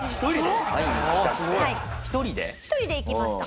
１人で行きました。